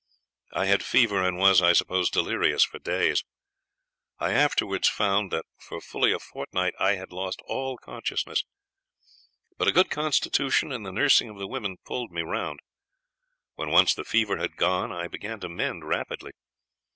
I had fever, and was, I suppose, delirious for days. I afterwards found that for fully a fortnight I had lost all consciousness; but a good constitution and the nursing of the women pulled me round. When once the fever had gone, I began to mend rapidly.